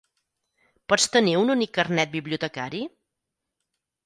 Pots tenir un únic carnet bibliotecari?